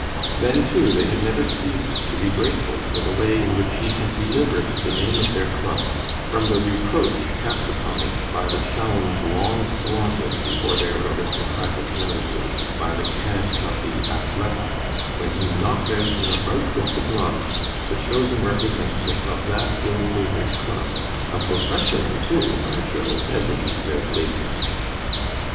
Then, too, they had never ceased to be grateful for the way in which he had delivered the name of their club from the reproach cast upon it by the challenge long flaunted before their aristocratic noses by the cads of the Athletic, when he knocked out in a bout with the gloves, the chosen representative of that ill favored club a professional, too, by Jove, as it leaked out later.